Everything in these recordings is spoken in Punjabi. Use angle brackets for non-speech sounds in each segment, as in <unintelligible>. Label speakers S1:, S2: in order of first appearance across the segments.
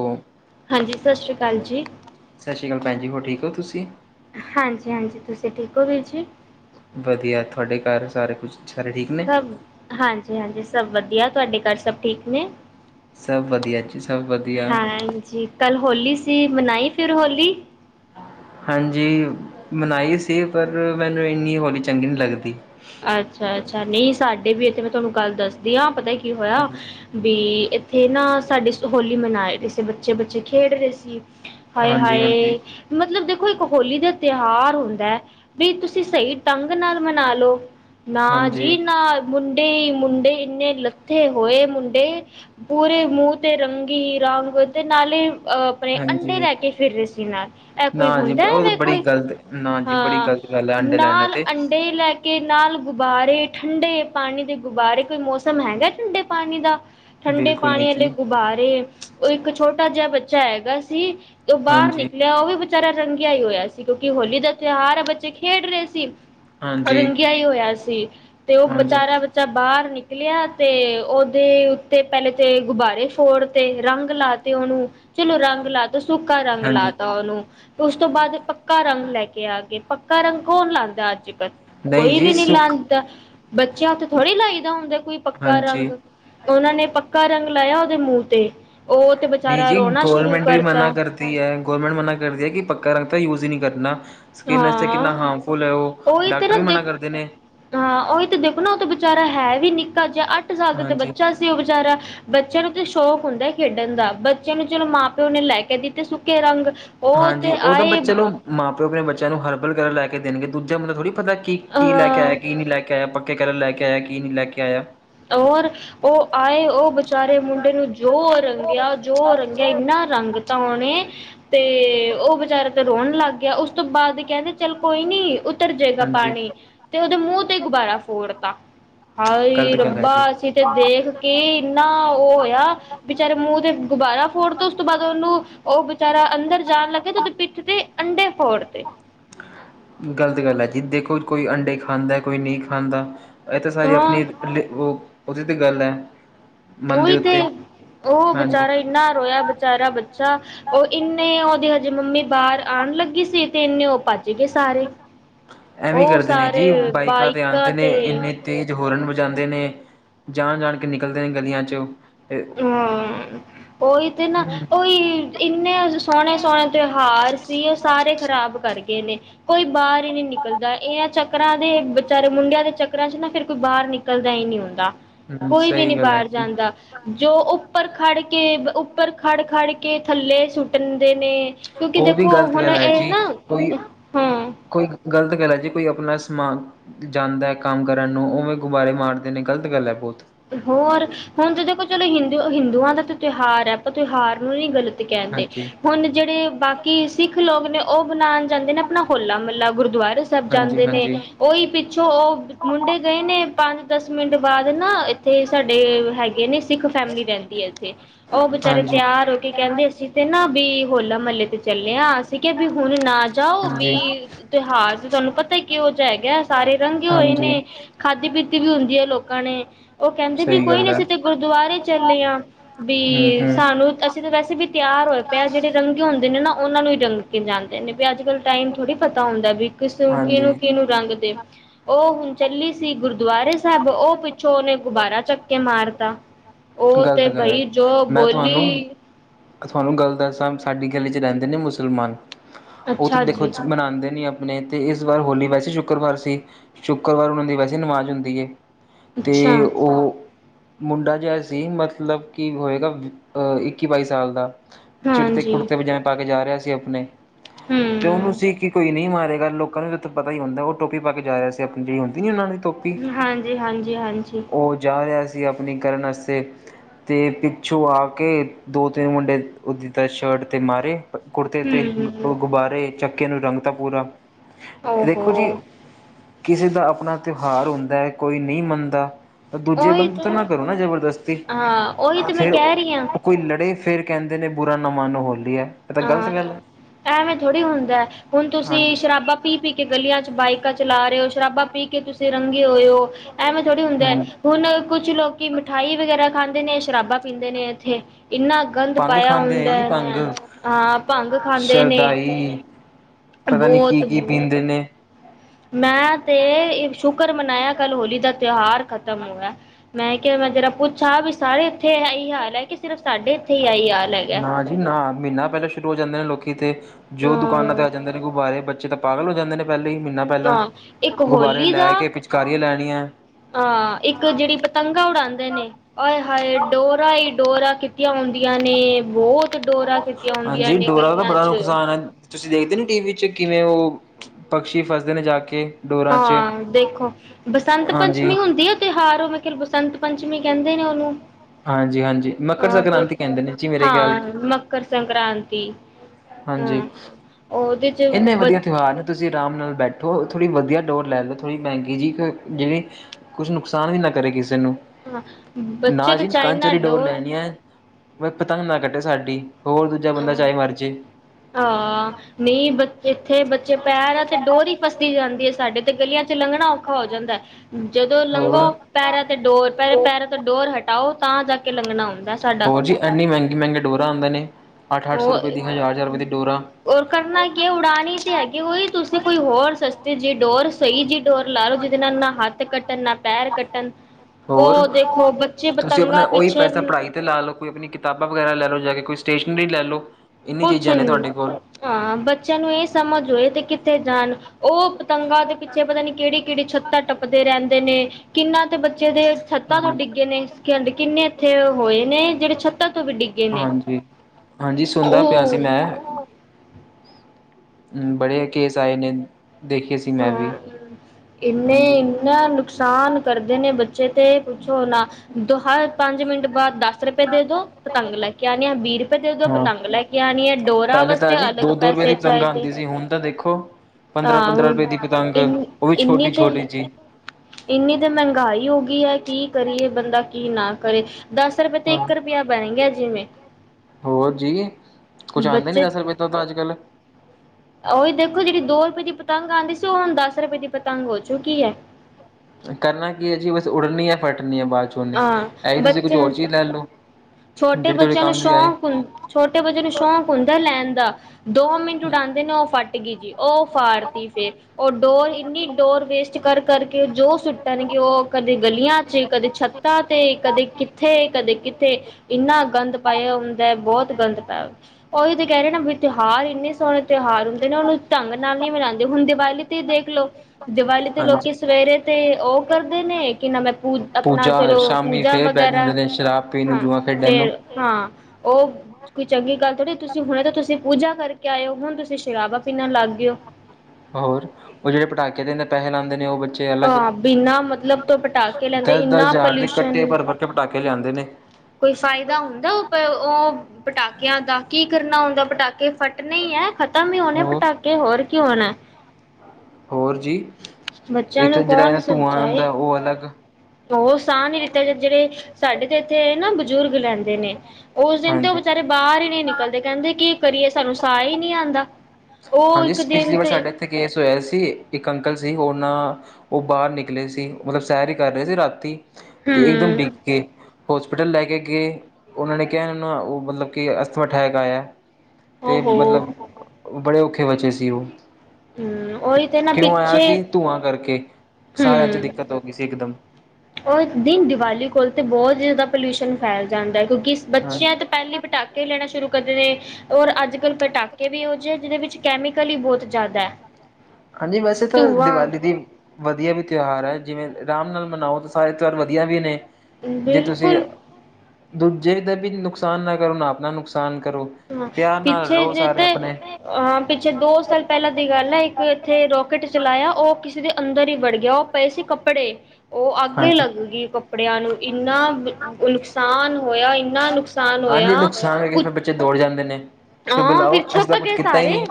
S1: ਓ
S2: ਹਾਂਜੀ ਸਤਿ ਸ੍ਰੀ ਅਕਾਲ ਜੀ।
S1: ਸਤਿ ਸ਼੍ਰੀ ਅਕਾਲ ਭੈਣਜੀ ਹੋਰ ਠੀਕ ਹੋ ਤੁਸੀਂ
S2: ਹਾਂਜੀ -ਹਾਂਜੀ ਤੁਸੀਂ ਠੀਕ ਹੋ ਵੀਰ ਜੀ।
S1: ਵਧੀਆ ਤੁਹਾਡੇ ਘਰ ਸਾਰੇ ਕੁਛ ਸਾਰੇ ਠੀਕ ਨੇ?
S2: ਸਭ ਹਾਂਜੀ-ਹਾਂਜੀ ਸਭ ਵਧੀਆ ਤੁਹਾਡੇ ਘਰ ਸਭ ਠੀਕ ਨੇ
S1: ਸਭ ਵਧੀਆ ਜੀ, ਸਭ ਵਧੀਆ।
S2: ਹਾਂਜੀ ਕੱਲ ਹੋਲੀ ਸੀ ਮਨਾਈ ਫਿਰ ਹੋਲੀ
S1: ਹਾਂਜੀ ਮਨਾਈ ਸੀ। ਪਰ ਮੈਨੂੰ ਇੰਨੀ ਹੌਲੀ ਚੰਗੀ ਨਹੀਂ ਲੱਗਦੀ।
S2: ਅੱਛਾ-ਅੱਛਾ ਨਹੀਂ ਸਾਡੇ ਵੀ ਇੱਥੇ ਮੈਂ ਤੁਹਾਨੂੰ ਗੱਲ ਦੱਸਦੀ ਹਾਂ ਪਤਾ ਕੀ ਹੋਇਆ ਵੀ ਤੇ ਨਾ ਸਾਡੀ ਹੋਲੀ ਮਨਾਏ ਰਹੀ ਸੀ। ਬੱਚੇ ਬੱਚੇ ਖੇਡ ਰਹੇ ਸੀ ਹਾਏ
S1: ਹਾਂਜੀ, ਹਾਂਜੀ,
S2: ਹਾਏ ਮਤਲਬ ਦੇਖੋ ਇੱਕ ਹੋਲੀ ਦਾ ਤਿਉਹਾਰ ਹੁੰਦਾ ਹੈ ਵੀ ਤੁਸੀਂ ਸਹੀ ਢੰਗ ਨਾਲ ਮਨਾ ਲਓ ਨਾ ਜੀ
S1: ਹਾਂਜੀ,
S2: ਨਾ ਮੁੰਡੇ ਮੁੰਡੇ ਇੰਨੇ ਲ ਲੱਥੇ ਹੋਏ ਮੁੰਡੇ ਪੂਰੇ ਮੂੰਹ ਤੇ ਰੰਗੀ ਰੰਗ ਤੇ ਨਾਲੇ ਅਹ ਆਪਣੇ ਅੰਡੇ
S1: ਹਾਂਜੀ।
S2: ਲੈ ਕੇ ਫਿਰ ਰਹੇ ਸੀ ਨਾਲ ਇਹ
S1: ਨਾ
S2: ਕੋਈ
S1: ਜੀ
S2: ਹੁੰਦਾ
S1: ਉਹ ਤਾਂ
S2: ਐਵੇਂ
S1: ਬੜੀ
S2: ਕੋਈ
S1: ਗ਼ਲਤ ਨਾ ਜੀ ਬੜੀ
S2: ਹਾਂ
S1: ਗ਼ਲਤ ਗੱਲ ਹੈ ਅੰਡੇ ਲੈਣਾ
S2: ਨਾਲ
S1: ਤੇ
S2: ਅੰਡੇ ਲੈ ਕੇ ਨਾਲ ਗੁਬਾਰੇ ਠੰਡੇ ਪਾਣੀ ਦੇ ਗੁਬਾਰੇ ਕੋਈ ਮੌਸਮ ਹੈਗਾ ਠੰਡੇ ਪਾਣੀ ਦਾ ਠੰਡੇ
S1: ਬਿਲਕੁਲ
S2: ਪਾਣੀ
S1: ਨਹੀਂ
S2: ਵਾਲੇ
S1: ਜੀ।
S2: ਗੁਬਾਰੇ ਉਹ ਇੱਕ ਛੋਟਾ ਜਿਹਾ ਬੱਚਾ ਹੈਗਾ ਸੀ। ਉਹ ਬਾਹਰ
S1: ਹਾਂਜੀ,
S2: ਨਿਕਲਿਆ ਉਹ ਵੀ ਬਚਾਰਾ ਰੰਗਿਆ ਹੀ ਹੋਇਆ ਸੀ ਕਿਉਂਕਿ ਹੋਲੀ ਦਾ ਤਿਉਹਾਰ ਬੱਚੇ ਖੇਡ ਰਹੇ ਸੀ।
S1: ਹਾਂਜੀ
S2: ਰੰਗਿਆ ਹੋਇਆ ਸੀ ਤੇ ਉਹ
S1: ਹਾਂਜੀ,
S2: ਵਿਚਾਰਾ ਚਾ ਬਾਹਰ ਨਿਕਲਿਆ ਤੇ ਉਹਦੇ ਉੱਤੇ ਪਹਿਲੇ ਤੇ ਗੁਬਾਰੇ ਫੋੜ ਤੇ ਰੰਗ ਲਾ ਤੇ ਉਹਨੂੰ ਚਲੋ ਰੰਗ ਲਾ ਤ ਸੁੱਕਾ ਰੰਗ ਲਾ
S1: ਹਾਂਜੀ।
S2: ਤਾ ਉਹਨੂੰ ਉਸ ਤੋਂ ਬਾਅਦ ਪੱਕਾ ਰੰਗ ਲੈ ਕੇ ਆ ਗਏ ਪੱਕਾ ਰੰਗ ਕੌਣ ਲਾਉਂਦਾ ਅੱਜ ਕੱਲ ਕੋਈ
S1: ਜੀ
S2: ਵੀ ਨਹੀਂ
S1: ਸੁੱਖ
S2: ਲਾਉਂਦਾ ਬੱਚਿਆਂ ਉੱਥੇ ਥੋੜੀ ਲਾਈਦਾ ਹੁੰਦਾ ਕੋਈ ਪੱਕਾ
S1: ਹਾਂਜੀ,
S2: ਰੰਗ ਉਹਨਾਂ ਨੇ ਪੱਕਾ ਰੰਗ ਲਾਇਆ ਉਹਦੇ ਮੂੰਹ ਤੇ ਉਹ ਤੇ ਬਚਾਰਾ ਰੋਣਾ ਸ਼ੁਰੂ ਕਰਤਾ
S1: ਗੌਰਮੈਂਟ ਮੰਨਾ ਕਰਦੀ ਹੈ ਕਿ ਪੱਕਾ ਰੰਗ ਦਾ ਯੂਜ ਹੀ ਨਹੀਂ ਕਰਨਾ ਸਕਿੰਨਾ ਵਾਸਤੇ
S2: ਹਾਂ
S1: ਹਮਫੁੱਲ ਹੈ। ਉਹ
S2: ਉਹੀ ਤੇ
S1: ਡਾਕਟਰ
S2: ਨਾ
S1: ਵੀ
S2: ਦੇ
S1: ਮਨਾ ਕਰਦੇ ਨੇ
S2: ਹਾਂ ਉਹੀ ਤੇ ਦੇਖੋ ਨਾ ਉਹ ਤੇ ਬੇਚਾਰਾ ਹੈ। ਵੀ ਨਿੱਕਾ ਜਿਹਾ ਅੱਠ ਸਾਲ ਦਾ ਤਾਂ
S1: ਹਾਂਜੀ
S2: ਬੱਚਾ ਸੀ। ਉਹ ਵਿਚਾਰਾ ਬੱਚਿਆਂ ਨੂੰ ਤਾਂ ਸ਼ੌਕ ਹੁੰਦਾ ਖੇਡਣ ਦਾ ਬੱਚਿਆਂ ਨੂੰ ਚਲੋ ਮਾਂ ਪਿਓ ਨੇ ਲੈ ਕੇ ਦਿੱਤੇ ਸੁੱਕੇ ਰੰਗ ਉਹ
S1: ਹਾਂਜੀ
S2: ਤੇ
S1: ਉਹ ਤਾਂ ਬ
S2: ਆਏ
S1: ਚਲੋ ਮਾਂ ਪਿਓ ਆਪਣੇ ਬੱਚਿਆਂ ਨੂੰ ਹਰਬਲ ਵਗੈਰਾ ਲੈ ਕੇ ਦੇਣਗੇ ਦੂਜਾ ਬੰਦਾ ਥੋੜੀ ਪਤਾ ਕੀ ਲੈ ਕੇ ਆਇਆ
S2: ਅਹ
S1: ਕੀ ਨਹੀਂ ਲੈ ਕੇ ਆਇਆ ਪੱਕੇ ਕਲਰ ਲੈ ਕੇ ਆਇਆ ਕੀ ਨਹੀਂ ਲੈ ਕੇ ਆਇਆ
S2: ਹੋਰ ਉਹ ਆਏ ਉਹ ਵਿਚਾਰੇ ਮੁੰਡੇ ਨੂੰ ਜੋ ਰੰਗਿਆ, ਜੋ ਰੰਗਿਆ ਇੰਨਾ ਰੰਗ ਤਾਂ ਉਹਨੇ ਤੇ ਉਹ ਵਿਚਾਰਾ ਤੇ ਰੋਣ ਲੱਗ ਗਿਆ ਉਸ ਤੋਂ ਬਾਅਦ ਕਹਿੰਦੇ ਚੱਲ ਕੋਈ ਨੀ ਉੱਤਰ ਜਾਏਗਾ
S1: ਹਾਂਜੀ
S2: ਪਾਣੀ ਤੇ ਉਹਦੇ ਮੂੰਹ ਤੇ ਗੁਬਾਰਾ ਫੋੜਤਾ
S1: ਗ਼ਲਤ
S2: ਹਾਏ
S1: ਗੱਲ ਹੈ
S2: ਰੱਬਾ
S1: ਜੀ
S2: ਤੇ ਅਸੀਂ ਦੇਖ ਕੇ ਇੰਨਾ ਉਹ ਹੋਇਆ ਬਚਾਰੇ ਮੂੰਹ ਤੇ ਗੁਬਾਰਾ ਫੋੜ ਤੇ ਉਸ ਤੋਂ ਬਾਅਦ ਉਹਨੂੰ ਉਹ ਬਚਾਰਾ ਅੰਦਰ ਜਾਣ ਲੱਗੇ ਤੇ ਉਹਦੇ ਪਿੱਠ ਤੇ ਅੰਡੇ ਫੋੜ ਤੇ
S1: ਗਲਤ ਗੱਲ ਹੈ ਜੀ ਦੇਖੋ ਕੋਈ ਅੰਡੇ ਖਾਂਦਾ ਕੋਈ ਨਹੀਂ ਖਾਂਦਾ ਇਹ ਤਾਂ ਸਾਰੇ
S2: ਹਾਂ
S1: ਆਪਣੇ ਉਹ ਉਹਦੇ ਤੇ ਗੱਲ ਹੈ ਮਨ ਦੇ
S2: ਉਹੀ ਤੇ
S1: ਉੱਤੇ
S2: ਉਹ
S1: ਹਾਂਜੀ
S2: ਵਿਚੇਰਾ ਇੰਨਾ ਰੋਇਆ ਵਿਚੇਾਰਾ ਬੱਚਾ ਉਹ ਇੰਨੇ ਉਹਦੀ ਹਜੇ ਮੰਮੀ ਬਾਹਰ ਆਉਣ ਲੱਗੀ ਸੀ ਤੇ ਇੰਨੇ ਉਹ ਭੱਜ ਸੀਗੇ ਸਾਰੇ
S1: ਐਵੇਂ
S2: ਉਹ
S1: ਕਰਦੇ ਨੇ ਜੀ
S2: ਸਾਰੇ ਬਾਈਕਾਂ
S1: ਆਉਂਦੇ ਨੇ
S2: ਤੇ
S1: ਇੰਨੇ ਤੇਜ਼ ਹਰਨ ਵਜਾਉਂਦੇ ਨੇ ਜਾਣ ਜਾਣ ਕੇ ਨਿਕਲਦੇ ਨੇ ਗਲੀਆਂ ਚ
S2: ਹੂ ਉਹੀ ਤੇ ਨਾ ਉਹੀ ਇੰਨੇ ਸੋਹਣੇ ਸੋਹਣੇ ਤਿਉਹਾਰ ਸੀ ਉਹ ਸਾਰੇ ਖ਼ਰਾਬ ਕਰ ਗਏ ਨੇ ਕੋਈ ਬਾਹਰ ਹੀ ਨੀ ਨਿਕਲਦਾ ਇਹਨਾਂ ਚੱਕਰਾਂ ਦੇ ਵਿਚਾਰੇ ਮੁੰਡਿਆਂ ਦੇ ਚੱਕਰਾਂ ਚ ਨਾ ਫਿਰ ਕੋਈ ਬਾਹਰ ਨਿਕਲ ਨਿਕਲਦਾ ਹੀ ਨਹੀਂ ਹੁੰਦਾ ਕੋਈ ਵੀ ਨੀ
S1: ਸਹੀ ਗੱਲ ਹੈ
S2: ਬਾਹਰ
S1: ਜੀ
S2: ਜਾਂਦਾ ਜੋ ਉੱਪਰ ਖੜ ਕੇ ਉੱਪਰ ਖੜ- ਖੜ ਕੇ ਥੱਲੇ ਸੁੱਟਦੇ ਨੇ ਕਿਉਂਕਿ
S1: ਉਹ ਵੀ
S2: ਦੇਖੋ
S1: ਗ਼ਲਤ
S2: ਹੁਣ
S1: ਗੱਲ ਹੈ
S2: ਇਹ
S1: ਜੀ
S2: ਨਾ
S1: ਕੋਈ
S2: ਹਾਂ
S1: ਕੋਈ ਗ਼ਲਤ ਗੱਲ ਹੈ ਜੀ ਕੋਈ ਆਪਣਾ ਸਮਾਨ ਜਾਂਦਾ ਹੈ ਕੰਮ ਕਰਨ ਨੂੰ ਉਵੇਂ ਗੁਬਾਰੇ ਮਾਰਦੇ ਨੇ ਗ਼ਲਤ ਗੱਲ ਹੈ ਬਹੁਤ
S2: ਹੋਰ ਹੁਣ ਤੇ ਦੇਖੋ ਚਲੋ ਹਿੰਦੂ ਹਿੰਦੂਆਂ ਦਾ ਤਾਂ ਤਿਉਹਾਰ ਹੈ ਆਪਾਂ ਤਿਉਹਾਰ ਨੂੰ ਨੀ ਗਲਤ ਕਹਿੰਦੇ
S1: ਹਾਂਜੀ।
S2: ਹੁਣ ਜਿਹੜੇ ਬਾਕੀ ਕਿ ਸਿੱਖ ਲੋਕ ਨੇ ਉਹ ਬਣਾਉਣ ਜਾਂਦੇ ਨੇ ਆਪਣਾ ਹੋਲਾ ਮਹਲਾ ਗੁਰਦੁਆਰੇ ਸਾਹਿਬ
S1: ਹਾਂਜੀ
S2: ਜਾਂਦੇ ਨੇ
S1: ਹਾਂਜੀ।
S2: ਉਹੀ ਪਿੱਛੋਂ ਉਹ ਮੁੰਡੇ ਗਏ ਨੇ ਪੰਜ ਦਸ ਮਿੰਟ ਬਾਅਦ ਨਾ ਇੱਥੇ ਸਾਡੇ ਹੈਗੇ ਨੇ ਸਿੱਖ ਫੈਮਿਲੀ ਰਹਿੰਦੀ ਹੈ ਇੱਥੇ ਉਹ ਵਿਚਚਾਰੇ
S1: ਹਾਂਜੀ।
S2: ਤਿਆਰ ਹੋ ਕੇ ਕਹਿੰਦੇ ਅਸੀਂ ਤੇ ਨਾ ਵੀ ਹੋਲਾ ਮਹੱਲੇ ਤੇ ਚੱਲੇ ਆ ਅਸੀਂ ਕਿਹਾ ਵੀ ਹੁਣ ਨਾ ਜਾਓ ਵੀ
S1: ਹਾਂਜੀ।
S2: ਇਤਿਹਾਸ ਤੁਹਾਨੂੰ ਪਤਾ ਕਿਹੋ ਜਿਹਾ ਹੈਗਾ ਸਾਰੇ ਰੰਗੇ ਹੋਏ
S1: ਹਾਂਜੀ।
S2: ਨੇ ਖਾਧੀ ਪੀਤੀ ਵੀ ਹੁੰਦੀ ਹੈ ਲੋਕਾਂ ਨੇ ਉਹ ਕਹਿੰਦੇ ਵੀ
S1: ਸਹੀ
S2: ਕੋਈ
S1: ਗੱਲ
S2: ਨੀ
S1: ਹੈ।
S2: ਅਸੀਂ ਤੇ ਗੁਰਦੁਆਰੇ ਚੱਲੇ ਹਾਂ ਵੀ
S1: ਹੂੰ ਹੂੰ।
S2: ਸਾਨੂੰ ਤਾਂ ਵੈਸੇ ਵੀ ਤਿਆਰ ਹੋਏ ਪਿਆ ਜਿਹੜੇ ਰੰਗੇ ਹੁੰਦੇ ਨੇ ਨਾ ਉਹਨਾਂ ਨੂੰ ਹੀ ਰੰਗ ਕੇ ਜਾਂਦੇ ਨੇ ਵੀ ਅੱਜ ਕੱਲ੍ਹ ਟਾਈਮ ਥੋੜੀ ਪਤਾ ਹੁੰਦਾ ਵੀ ਕਿਸ ਨੂੰ ਕਿਹਨੂੰ
S1: ਹਾਂਜੀ।
S2: ਕਿਹਨੂੰ ਰੰਗ ਤੇ ਉਹ ਹੁਣ ਚੱਲੀ ਸੀ ਗੁਰਦੁਆਰੇ ਸਾਹਿਬ ਉਹ ਪਿੱਛੋਂ ਉਹਨੇ ਗੁਬਾਰਾ ਚੱਕ ਕੇ ਮਾਰ ਤਾ ਉਹ
S1: ਗ਼ਲਤ
S2: ਤੇ
S1: ਗੱਲ ਹੈ
S2: ਬਈ
S1: ਜੀ
S2: ਜੋ
S1: ਮੈਂ
S2: ਬੋਲੀ
S1: ਤੁਹਾਨੂੰ ਤੁਹਾਨੂੰ ਗੱਲ ਦੱਸਾਂ ਸਾਡੀ ਗਲੀ ਚ ਰਹਿੰਦੇ ਨੇ ਮੁਸਲਮਾਨ ਉਹ ਤਾਂ
S2: ਅੱਛਾ
S1: ਦੇਖੋ
S2: ਜੀ
S1: ਮਨਾਉਦੇ ਨ ਨੇ ਤੇ ਇਸ ਵਾਰ ਹੋਲੀ ਵੈਸੇ ਸ਼ੁੱਕਰਵਾਰ ਸੀ ਸ਼ੁੱਕਰਵਾਰ ਉਹਨਾਂ ਦੀ ਵੈਸੇ ਨਮਾਜ਼ ਹੁੰਦੀ ਤੇ
S2: ਅੱਛਾ
S1: ਉਹ ਮੁੰਡਾ ਜਿ ਸੀ ਮਤਲਬ ਕੀ ਹੋਏਗਾ ਅਹ ਇੱਕੀ ਬਾਈ ਸਾਲ ਦਾ ਚਿੜਤੇ
S2: ਹਾਂਜੀ
S1: ਖੜਤੇ ਬਜਾ ਪਾ ਕੇ ਜਾ ਰਿਹਾ ਸੀ ਆਪਣੇ
S2: ਹੂ
S1: ਅਤੇ ਉਹਨੂੰ ਸੀ ਕਿ ਕੋਈ ਨਹੀਂ ਮਾਰੇਗਾ ਲੋਕਾਂ ਨੂੰ ਤਾਂਥੋਂ ਪਤਾ ਹੀ ਹੁੰਦਾ ਉਹ ਟੋਪੀ ਪਾ ਕੇ ਜਾ ਰਿਹਾ ਸੀ ਆਪਣੀ ਜਿਹੀ ਹੁੰਦੀ ਨਹੀਂ ਉਹਨਾਂ ਦੀ ਤੋਪ
S2: ਹਾਂਜੀ ਹਾਂਜੀ ਹਾਂਜੀ
S1: ਉਹ ਜਾ ਰਿਹਾ ਸੀ ਆਪਣੀ ਕਰਨ ਵਾਸਤੇ ਤੇ ਪਿੱਛੋਂ ਆ ਕੇ ਦੋ ਤਿੰਨ ਮੁੰਡੇ ਦੀ ਤਾਂ ਸ਼ਰਟ ਤੇ ਮਾਰੇ ਕੁੜਤੇ 'ਤੇ
S2: ਹੂੰ
S1: ਗੁਬਾਰੇ ਚੱਕਿਆਂ ਨੂੰ ਰੰਗ ਤ ਪੂਰਾ
S2: ਓਹੋ
S1: ਦੇਖੋ ਜੀ ਕਿਸੇ ਦਾ ਆਪਣਾ ਤਿਉਹਾਰ ਹੁੰਦਾ ਹੈ ਕੋਈ ਨਹੀਂ ਮੰਨਦਾ ਤਾਂ ਦੂਜੇ ਬੰਦੇ ਤਾਂ ਨਾ ਕਰੋ ਨਾ ਜਬਰਦਸਤੀ
S2: ਹਾਂ ਓਹੀ ਤੇ ਮੈਂ ਕਹਿ ਰਹੀ ਹਾਂ
S1: ਕੋਈ ਲੜੇ ਫੇਰ ਕਹਿੰਦੇ ਨੇ ਬੁਰਾ ਨਵਾਂ ਨ ਹੋਲੀ ਹੈ ਇਹ ਤਾਂ ਗ਼ਲਤ
S2: ਹਾਂ
S1: ਗੱਲ ਹੈ
S2: ਐਵੇਂ ਥੋੜ੍ਹੀ ਹੁੰਦਾ ਹੁਣ ਤੁਸੀਂ
S1: ਹਾਂਜੀ
S2: ਸ਼ਰਾਬਾ ਪੀ ਪੀ ਕਿ ਗਲੀਆਂ ਚ ਬਾਈਕਾਂ ਚਲਾ ਰਹੇ ਹੋ ਸ਼ਰਾਬਾਂ ਪੀ ਕੇ ਤੁਸੀਂ ਰੰਗੇ ਹੋਏ ਹੋ ਟਮ ਥੋੜ੍ਹੀ ਹੁੰਦਾ ਹੈ
S1: ਹਮ
S2: ਹੁਣ ਕੁਛ ਲੋਕ ਮਿਠਾਈ ਵਗੈਰਾ ਖਾਂਦੇ ਨੇ ਸ਼ਰਾਬਾ ਪੀਂਦੇ ਨੇ ਇੱਥੇ ਇੰਨਾ ਗੰਦ
S1: ਭੰਗ
S2: ਪਾਇਆ
S1: ਖਾਂਦੇ ਹੈ
S2: ਹੁੰਦਾ
S1: ਜੀ ਭੰਗ
S2: ਨਾ ਹਾਂ ਭੰਗ ਖਾਂਦੇ ਨੇ
S1: ਸ਼ਰਦਾਈ ਪਤਾ ਨੀ ਕੀ
S2: ਬਹੁਤ
S1: ਕੀ
S2: ਬ
S1: ਪੀਂਦੇ ਨੇ <unintelligible>
S2: ਮੈਂ ਤੇ ਸ਼ੁਕਰ ਮਨਾਇਆ ਕੱਲ ਹੋਲੀ ਦਾ ਤਿਉਹਾਰ ਖ਼ਤਮ ਹੋਇਆ। ਮੈਂ ਕਿਹਾ ਮੈਂ ਜਿਹਰਾ ਪੁੱਛਾ ਵੀ ਸਾਰੇ ਇੱਥੇ ਇ ਹੀ ਹਾਲ ਹੈ ਕਿ ਸਿਰਫ ਸਾਡੇ ਇੱਥੇ ਹੀ ਆ ਹੀ ਹਾਲ। ਹੈਗਾ
S1: ਨਾ ਜੀ ਨਾ ਮਹੀਨਾ ਪਹਿਲੇ ਸ਼ੁਰੂ ਹੋ ਜਾਂਦੇ ਨੇ ਲੋਕੀ ਤੇ, ਜੋ ਦੁਕਾਨਾਂ ਤੇ
S2: ਹਾਂ
S1: ਆ ਜਾਂਦੇ ਗੁਬਾਰੇ ਬੱਚੇ ਤਾਂ ਪਾਗਲ ਹੋ ਜਾਂਦੇ ਨੇ ਪਹਿਲੇ ਹੀ ਮਹੀਨਾ ਪਹਿਲਾਂ,
S2: ਅ ਇੱਕ
S1: ਗੁਬਾਰੇ ਲੈ ਕੇ ਪਿਚਕਾਰੀਆਂ ਲੈਣੀਆਂ।
S2: ਹਾਂ, ਇੱਕ ਜਿਹੜੀ ਪਤੰਗ ਉਡਾਨਦੇ ਨੇ। ਆਏ ਹਾਏ ਡੋਰਾਂ ਹੀ ਡੋਰਾਂ ਕੀਤੀਆਂ ਹੁੰਦੀਆਂ ਨੇ ਬਹੁਤ ਡੋਰਾ ਕੀਤੀਆਂ ਹੁੰਦੀਆਂ
S1: ਹਾਂਜੀ
S2: ਨੇ
S1: ਡੋਰਾ ਦਾ
S2: ਗਲੀਆਂ
S1: ਬੜਾ
S2: ਚ
S1: ਨੁਕਸਾਨ ਹੈ। ਤੁਸੀਂ ਦੇਖਦੇ ਨੀ ਟੀਵੀ ਚ ਕਿਵੇਂ ਉਹ ਪਕਸ਼ੀ ਫਸਦੇ ਨੇ ਜਾ ਕੇ ਡੋਰਾਂ ਚ
S2: ਹਾਂ ਦੇਖੋ ਬਸੰਤ
S1: ਹਾਂਜੀ।
S2: ਪੰਚਮੀ ਹੁੰਦੀ ਆ ਤਿਉਹਾਰ ਉਹ ਮੈਂ ਕਿਹਾ ਬਸੰਤ ਪੰਚਮੀ ਕਹਿੰਦੇ ਨੇ ਉਹਨੂੰ
S1: ਹਾਂਜੀ ਹਾਂਜੀ ਮਕਰ
S2: ਹਾਂ ਪਰ
S1: ਸੰਕ੍ਰਾਂਤੀ ਕਹਿੰਦੇ ਨੇ ਜੀ ਮੇਰੇ
S2: ਹਾਂ
S1: ਖਿਆਲ
S2: ਮਕਰ ਸੰਕ੍ਰਾਂਤੀ
S1: ਹਾਂਜੀ
S2: ਹਮ ਉਹਦੇ ਚ
S1: ਇੰਨੇ
S2: ਬ
S1: ਵਧੀਆ ਤਿਵਾ ਤੁਸੀਂ ਆਰਾਮ ਨਾਲ ਬੈਠੋ ਥੋੜ੍ਹੀ ਵਧੀਆ ਡੋਰ ਲੈ ਲਓ ਥੋੜ੍ਹੀ ਮਹਿੰਗੀ ਜੀ ਜਿਹੜੀ ਕੁਛ ਨੁਕਸਾਨ ਵੀ ਨਾ ਕਰੇ ਕਿਸੇ ਨੂੰ
S2: ਹਾਂ ਬੱਚੇ
S1: ਨਾ
S2: ਤੇ
S1: ਜੀ
S2: ਚਾਈਨਾ
S1: ਕੰਚੀ ਡੋਰ ਲੈਣੀ ਹੈ ਬੱਸ ਪਤੰਗ ਨਾ ਕੱਟੇ ਸਾਡੀ, ਹੋਰ ਦੂਜਾ ਬੰਦਾ ਚਾਏ ਮਰਜੇ।
S2: ਹਾਂ, ਨਹੀਂ ਬੱਚੇ ਇੱਥੇ ਬੱਚੇ ਪੈਰਾ ਤੇ ਡੋਹਰੀ ਫਸਦੀ ਜਾਂਦੀ ਹੈ ਸਾਡੇ ਤੇ ਗਲੀਆਂ ਚ ਲੰਘਣਾ ਔਖਾ ਹੋ ਜਾਂਦਾ, ਜਦੋਂ ਲੰਘੋ
S1: ਹੋਰ
S2: ਪੈਰਾਂ ਤੇ ਡੋਰ, ਪਹਿਲੇ ਪੈਰਾਂ ਤੋਂ ਡੋਰ ਹਟਾਓ ਤਾਂ ਜਾ ਕੇ ਲੰਘਣਾ ਹੁੰਦਾ। ਸਾਡਾ
S1: ਹੋਰ ਜੀ ਇ ਐੰਨੀ ਮਹਿੰਗੀ-ਮਹਿੰਗੀ ਡੋਰਾ ਆਂਦੇ ਨੇ, ਅੱਠ-ਅੱਠ ਸੌ ਰੁਪਏ
S2: ਉਹ
S1: ਦੀ, ਹਜ਼ਾਰ-ਹਜ਼ਾਰ ਰੁਪਏ ਦੀ ਡੋਰਾ।
S2: ਔਰ ਕਰਨਾ ਕੀ ਉਡਾਨੀ ਤੇ ਹੈਗੀ, ‌ਓਈ ਤੁਸੀ ਕੋਈ ਹੋਰ ਸਸਤੀ ਜਿ ਡੋਰ ਸਹੀ ਜੀ ਹੋਰ ਲਾ ਲੋ ਜਿਹਦੇ ਨਾਲ ਨਾ ਹੱਥ ਕੱਟਣ, ਨਾ ਪੈਰ ਕੱਟਣ
S1: ਹੋਰ
S2: ਉਹ ਦੇਖੋ ਬੱਚੇ
S1: ਤੁਸੀਂ
S2: ਪਤੰਗਾ
S1: ਆਪਣਾ ਉਹੀ
S2: ਪਿੱਛੇ
S1: ਪੈਸਾ ਪੜ੍ਹਾਈ ਲਾ ਲੋ ਕੋਈ ਆਪਣੀ ਕਿਤਾਬਾਂ ਵਗੈਰਾ ਲੈ ਲੋ ਜਾਕੇ, ਕੋਈ ਸਟੇਸ਼ਨਰੀ ਲੈ ਲੋ।
S2: ਕੁਛ ਨੀ ਹਾਂ ਬੱਚਿਆਂ ਨੂੰ ਇਹ ਸਮਝ ਹੋਏ ਤੇ ਕਿੱਥੇ ਜਾਣ ਉਹ ਪਤੰਗਾਂ ਦੇ ਪਿੱਛੇ ਪਤਾ ਨੀ ਕਿਹੜੀ-ਕਿਹੜੀ ਛੱਤਾਂ ਟੱਪਦੇ ਰਹਿੰਦੇ ਨੇ। ਕਿੰਨਾ ਤੇ ਬੱਚੇ ਦੇ ਛੱਤਾਂ ਤੋਂ
S1: ਹਾਂਜੀ
S2: ਡਿੱਗੇ ਨੇ। ਕਹਿੰਦੇ ਕਿੰਨੇ ਇੱਥੇ ਹੋਏ ਨੇ ਜਿਹੜੇ ਛੱਤ ਤੋਂ ਵੀ ਡਿੱਗੇ ਨੇ
S1: ਹਾਂਜੀ-ਹਾਂਜੀ, ਸੁਣਦਾ ਪਿਆ ਸੀ
S2: ਉਹ
S1: ਮੈਂ। ਬੜੇ ਕੇਸ ਆਏ ਨੇ, ਦੇਖੇ ਸੀ ਮੈਂ ਵੀ
S2: ਹਾਂ ਇੰਨੇ
S1: ਹਾਂਜੀ।
S2: ਇੰਨਾ ਨੁਕਸਾਨ ਕਰਦੇ ਨੇ ਬੱਚੇ ਬੱਚੇ ਤੇ ਪੁੱਛੋ ਨਾ ਦੋਹ ਹਰ ਪੰਜ ਮਿੰਟ ਬਾਅਦ ਦਸ ਰੁਪਏ ਦੇ ਦੋ ਪਤੰਗ ਲੈ ਕਹਿਣੇ ਆ ਵੀਹ ਰੁਪਏ ਦੇ ਦੋਂ
S1: ਹਾਂ
S2: ਪਤੰਗ ਲੈ ਕੇ ਆਉਣੀ ਆ, ਡੋਰਾਂ
S1: ਪਹਿਲੇ ਤਾਂ
S2: ਵਾਸਤੇ
S1: ਜੀ
S2: ਅਲੱਗ
S1: ਦੋ ਦੋ ਰੁਪਏ
S2: ਪੈਸੇ
S1: ਦੀ ਪਤੰਗ
S2: ਚਾਹੀਦੇ
S1: ਆਉਂਦੀ ਸੀ ਹੁਣ ਤਾਂ ਦੇਖੋ
S2: ਤਾਂ
S1: ਪੰਦਰਾਂ-ਪੰਦਰਾਂ
S2: ਹੁਣ
S1: ਰੁਪਏ ਦੀ ਪਤੰਗ
S2: ਇਨ
S1: ਉਹ ਵੀ
S2: ਇੰਨੀ ਤੇ
S1: ਛੋਟੀ-ਛੋਟੀ ਜੀ।
S2: ਇੰਨੀ ਤੇ ਮਹਿੰਗਾਈ ਹੋ ਗਈ ਏ, ਕੀ ਕਰੀਏ ਬੰਦਾ ਕੀ ਨਾ ਕਰੇ। ਦਸ ਰੁਪਏ ਤੇ
S1: ਹਾਂ।
S2: ਇੱਕ ਰੁਪਇਆ ਬਣ ਗਿਆ ਜਿਵੇਂ।
S1: ਹੋਰ ਜੀ, ਕੁਛ ਆਂਦਾ ਨੀ
S2: ਬੱਚੇ
S1: ਦਸ ਰੁਪਏ ਤੋਂ ਤਾਂ ਅੱਜ-ਕੱਲ੍ਹ।
S2: ਉਹੀ ਦੇਖੋ ਜਿਹੜੀ ਦੋ ਰੁਪਏ ਦੀ ਪਤੰਗ ਆਂਦੀ ਸੀ। ਉਹ ਹੁਣ ਦਸ ਰੁਪਏ ਦੀ ਪਤੰਗ ਹੋ ਚੁੱਕੀ ਐ।
S1: ਕਰਨਾ ਕੀ ਹੈ ਜੀ ਬਸ ਉੱਡਨੀ ਏ, ਫਟਨੀ ਏ ਬਾਦ ਚੋ
S2: ਹਾਂ ਬੱਚਿਆਂ, ਛੋਟੇ
S1: ਜਿਹੜੀ ਤੁਹਾਡੇ
S2: ਬੱਚਿਆਂ ਨੂੰ
S1: ਕੰਮ ਵੀ ਆਏ।
S2: ਸ਼ੌਕ ਹੁੰ ਛੋਟੇ ਬੱਚੇ ਨੂੰ ਸ਼ੌਕ ਹੁੰਦਾ ਲੈਣ ਦਾ ਦੋ ਮਿੰਟ ਉਡਾਂਦੇ ਨੇ ਉਹ ਫੱਟ ਗੀ ਜੀ, ਉਹ ਫਾਰਤੀ ਫੇਰ। ਔਰ ਡੋਰ ਇੰਨੀ ਡੋਰ ਵੇਸਟ ਕਰ ਕਰਕੇ ਜੋ ਸੁੱਟਣਗੇ ਉਹ ਕਦੇ ਗਲੀਆਂ ਚ ਕਦੇ ਛੱਤ ਤੇ ਕਦੇ ਕਿੱਥੇ, ਕਦੇ ਕਿਤੇ ਇਨਾਂ ਗੰਦ ਪਾਇਆ ਹੁੰਦਾ। ਬਹੁਤ ਗੰਦ ਪਾਇਆ, ਉਹ ਤੇ ਕਹਿ ਰਹੇ ਨਾ ਵੀ
S1: ਹੂੰ।
S2: ਤਿਉਹਾਰ ਇੰਨੇ ਸੋਹਣੇ ਤਿਉਹਾਰ ਹੁੰਦੇ ਨੇ ਉਹਨੂੰ ਢੰਗ ਨਾਲ ਨਹੀਂ ਮਨਾਂਦੇ, ਹੁਣ ਦੀਵਾਲੀ ਤੇ ਹੀ ਦੇਖਲੋ ਦੀਵਾਲੀ ਤੇ
S1: ਹਾਂਜੀ।
S2: ਲੋਕੀ ਸਵੇਰੇ ਤੇ ਉਹ ਕਰਦੇ ਨੇ ਕਿ ਨਵੇ ਪੂਜਾ ਆਪਣਾ
S1: ਹਰ
S2: ਚਲੋ
S1: ਸ਼ਾਮੀ
S2: ਪੂਜਾ
S1: ਫੇਰ ਬਹਿ
S2: ਵਗੈਰਾ
S1: ਜਾਂਦੇ ਨੇ ਸ਼ਰਾਬ ਪੀਣ ਨੂੰ
S2: ਹਾਂ
S1: ਜੂਆ ਖੇਡਣ ਨੂੰ।
S2: ਫਿਰ ਹਾਂ ਉਹ ਕੋਈ ਚੰਗੀ ਗੱਲ ਥੋੜ੍ਹੀ ਤੁਸੀਂ ਹੁਣੇ ਤਾਂ ਤੁਸੀਂ ਪੂਜਾ ਕਰਕੇ ਆਏ ਹੋ, ਹੁਣ ਤੁਸੀਂ ਸ਼ਰਾਬਾ ਪੀਨਣੲ ਲੱਗ ਗਏ ਹੋ।
S1: ਹੋਰ, ਉਹ ਜਿਹੜੇ ਪਟਾਕੇ ਦੇ ਪੈਸੇ ਲਾਂਦੇ ਨੇ ਉਹ ਬੱਚੇ ਅਲੱਗ
S2: ਤਾਂ ਬਿਨਾਂ ਮਤਲਬ ਤੋਂ ਪਟਾਕੇ ਲੈਂਦੇ
S1: ਦੱਸ-ਦੱਸ
S2: ਇੰਨਾ
S1: ਹਜਾਰ ਦੇ ਕੱਟੇ
S2: ਪੋਲਿਊਸ਼ਨ
S1: ਭਰ-ਭਰ ਕੇ ਪਟਾਕੇ ਲਿਆਂਦੇ ਨੇ।
S2: ਕੋਈ ਫ਼ਾਇਦਾ ਹੁੰਦਾ ਉਹ ਪਰ ਉਹ ਪਟਾਕਿਆਂ ਦਾ ਕੀ ਕਰਨਾ ਹੁੰਦਾ ਪਟਾਕੇ ਫੱਟਣੇ ਹੀ ਐ। ਖਤਮ ਹੀ ਹੋਣੇ
S1: ਹੋਰ
S2: ਪਟਾਕੇ ਹੋਰ ਕੀ ਹੋਣਾ।
S1: ਹੋਰ ਜੀ,
S2: ਬੱਚਿਆਂ
S1: ਇੱਥੇ
S2: ਨੂੰ ਕੌਣ
S1: ਜਿਹੜਾ ਧੂੰਆਂ
S2: ਸਮਝਾਏ
S1: ਆਂਦਾ ਉਹ ਅਲੱਗ।
S2: ਉਹ ਸਾਹ ਨੀ ਲਿ‌ਤਾ ਜਾ, ਜਿਹੜੇ ਸਾਡੇ ਤੇ ਇੱਥੇ ਨਾ ਬਜ਼ੁਰਗ ਰਹਿੰਦੇ ਨੇ ਉਸ ਦਿਨ ਤਾਂ ਉਹ
S1: ਹਾਂਜੀ
S2: ਬਚਾਰੇ ਬਾਹਰ ਹੀ ਨੀ ਨਿਕਲਦੇ ਕਹਿੰਦੇ ਕਿ ਕਰੀਏ ਸਾਨੂੰ ਸਾਹ ਹੀ ਨਹੀਂ ਆਂਦਾ। ਉਹ ਇੱਕ ਦਿਨ ਤੇ
S1: ਤੇ ਕੇਸ ਹੋਇਆ ਸੀ, ਇੱਕ ਅੰਕਲ ਸੀ ਉਹਨਾਂ ਉਹ ਬਾਹਰ ਨਿਕਲੇ ਸੀ, ਮਤਲਬ ਸੈਰ ਹੀ ਕਰ ਰਹੇ ਸੀ ਰਾਤੀ ਤੇ ਇਕਦਮ ਡਿੱਗ
S2: ਹਮ
S1: ਗਏ। ਹੋਸਪਿਟਲ ਲੈ ਕੇ ਗਏ, ਉਹਨਾਂ ਨੇ ਕਿਹਾ ਇਹਨਾਂ ਉਹ ਮਤਲਬ ਕਿ ਅਸਥਮਾ ਅਟੈਕ ਆਇਆ। ਤੇ
S2: ਓਹੋ
S1: ਮਤਲਬ ਬੜੇ ਔਖੇ ਬਚੇ ਸੀ ਉਹ।
S2: ਹਮ ਉਹੀ ਤੇ ਨਾ
S1: ਕਿਉਂ ਆਇਆ
S2: ਪਿੱਛੇ
S1: ਸੀ, ਧੂੰਆਂ ਕਰਕੇ ਸਾਰਿਆਂ ਚ ਦਿੱਕਤ ਹੋ ਗਈ ਸੀ ਇਕ ਦਮ।
S2: ਉਸ ਦਿਨ ਦੀਵਾਲੀ ਕੋਲ ਤੇ ਬਹੁਤ ਹੀ ਜ਼ਿਆਦਾ ਪੋਲਿਊਸ਼ਨ ਫੈਲ ਜਾਂਦਾ। ਕਿਉਂਕਿ ਬੱਚਿਆਂ
S1: ਹਾਂਜੀ
S2: ਤੇ ਪਹਿਲੇ ਪਟਾਕੇ ਪੇ ਲੈਣਾ ਸ਼ੁਰੂ ਕਰਦੇ ਨੇ ਔਰ ਅੱਜ-ਕੱਲ੍ਹ ਪਟਾਕੇ ਵੀ ਇਹੋ ਜਿਹੇ ਹੈ ਜਿਹਦੇ ਵਿੱਚ ਕੈਮੀਕਲ ਹੀ ਬਹੁਤ ਜ਼ਿਆਦਾ।
S1: ਹਾਂਜੀ ਵੈਸੇ ਤਾਂ
S2: ਧੂੰਆਂ
S1: ਦੀਵਾਲੀ ਦੀ ਵਧੀਆ ਵੀ ਤਿਉਹਾਰ ਹੈ ਜਿਵੇਂ ਆਰਾਮ ਨਾਲ ਮਨਾਓ ਤਾਂ ਸਾਰੇ ਤਿਉਹਾਰ ਵਧੀਆ ਵੀ ਨੇ। ਜੇ ਤੁਸੀਂ
S2: ਬਿਲਕੁਲ
S1: ਦੂਜੇ ਦਾ ਵੀ ਨੁਕਸਾਨ ਨਾ ਕਰੋ ਨਾ ਆਪਣਾ ਨੁਕਸਾਨ ਕਰੋ।
S2: ਹਾਂ
S1: ਪਿਆਰ ਨਾਲ
S2: ਪਿੱਛੇ
S1: ਰਹੋ
S2: ਜੇ
S1: ਸਾਰੇ
S2: ਤੇ
S1: ਆਪਣੇ
S2: ਹਾਂ ਪਿੱਛੇ ਦੋ ਸਾਲ ਪਹਿਲਾਂ ਦੀ ਗੱਲ ਹੈ ਇੱਕ ਇੱਥੇ ਰੋਕੇਟ ਚਲਾਇਆ ਉਹ ਕਿਸੇ ਦੇ ਅੰਦਰ ਹੀ ਵੜ ਗਿਆ ਉਹ ਪਏ ਸੀ ਕੱਪੜੇ ਉਹ ਅੱਗ ਈ
S1: ਹਾਂਜੀ
S2: ਲੱਗ ਗਈ ਕੱਪੜਿਆਂ ਨੂੰ ਇੰਨਾ ਨੁਕਸਾਨ ਹੋਇਆ ਇੰਨਾ ਨੁਕਸਾਨ
S1: ਹਾਂਜੀ
S2: ਹੋਇਆ।
S1: ਨੁਕਸਾਨ ਕਰਕੇ
S2: ਪੁ
S1: ਫਿਰ ਬੱਚੇ ਦੌੜ ਜਾਂਦੇ ਨੇ-
S2: ਹਾਂ
S1: ਬੁਲਾਓ
S2: ਫਿਰ
S1: ਅਸੀਂ
S2: ਛੁੱਪ
S1: ਤਾਂ ਕੁਛ
S2: ਗਏ
S1: ਕੀਤਾ ਹੀ
S2: ਸਾਰੇ।
S1: ਨਹੀਂ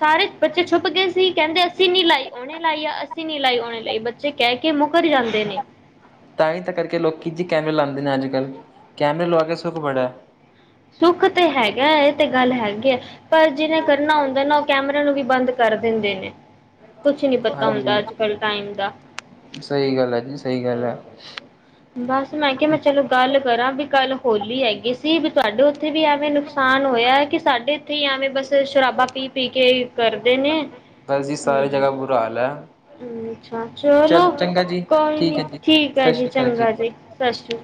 S2: ਸਾਰੇ ਬੱਚੇ ਛੁਪ ਗਏ ਸੀ ਕਹਿੰਦੇ ਅਸੀਂ ਨੀ ਲਾਈ ਓਨੇ ਲਾਈਏ ਆ ਅਸੀਂ ਨੀ ਲਾਈ ਓਹਨੇ ਲਾਈ ਕਹਿ ਕੇ ਮੁੱਕਰ ਜਾਂਦੇ ਨੇ।
S1: ਤਾਂ ਹੀ ਤਾਂ ਕਰਕੇ ਲੋਕ ਜੀ ਕੈਮਰੇ ਲਉਦੇ ਨੇ ਅੱਜ ਕੱਲ੍ਹ ਕੈਮਰੇ ਲਵਾ ਕੇ ਸੁੱਖ ਬੜਾ।
S2: ਸੁੱਖ ਤੇ ਹੈਗਾ ਇਹ ਤੇ ਗੱਲ ਹੈਗੀ ਹੈ ਪਰ ਜਿਹਨੇ ਕਰਨਾ ਹੁੰਦਾ ਨਾ ਉਹ ਕੈਮਰਿਆਂ ਨੂੰ ਵੀ ਬੰਦ ਕਰ ਦਿੰਦੇ ਨੇ। ਕੁਛ ਨੀ ਪਤਾ ਹੁੰਦਾ
S1: ਹਾਂਜੀ
S2: ਅੱਜ-ਕੱਲ ਟਾਈਮ ਦਾ।
S1: ਸਹੀ ਗੱਲ ਹੈ ਜੀ ਸਹੀ ਗੱਲ ਹੈ
S2: ਬਸ ਮੈਂ ਕਿਹਾ ਮੈਂ ਚਲੋ ਗੱਲ ਕਰਾਂ ਵੀ ਕੱਲ ਹੋਲੀ ਹੈਗੀ ਸੀ ਤੁਹਾਡੇ ਉੱਥੇ ਵੀ ਐਵੇਂ ਨੁਕਸਾਨ ਹੋਇਆ ਕਿ ਸਾਡੇ ਇੱਥੇ ਹੀ ਐਵੇਂ ਬੱਸ ਸ਼ਰਾਬਾ ਪੀ-ਪੀ ਕੇ ਕਰਦੇ ਨੇ
S1: ਬਸ ਜੀ ਸਾਰੀ
S2: ਹੂੰ।
S1: ਜਗ੍ਹਾ ਬੁਰਾ ਹਾਲ ਹੈ
S2: ਅੱਛਾ
S1: ਚਲ
S2: ਚਲੋ
S1: ਚੰਗਾ ਜੀ
S2: ਕੋਈ
S1: ਠੀਕ
S2: ਨੀ
S1: ਹੈ ਜੀ
S2: ਠੀਕ ਹੈ
S1: ਸਤਿ
S2: ਜੀ
S1: ਸ਼੍ਰੀ ਅਕਾਲ
S2: ਚੰਗਾ ਜੀ। ਸਤਿ ਸ਼੍ਰੀ